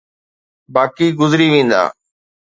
باقي گذري ويندا.